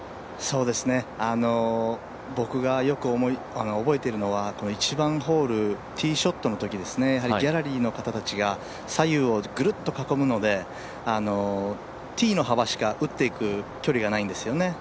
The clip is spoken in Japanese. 僕がよく覚えているのは、１番ホールティーショットのときですね、ギャラリーの方たちが左右をぐるっと囲むのでティーの幅しか打っていく距離がないんですよね。